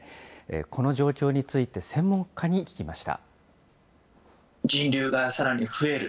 この状況について専門家に聞きました。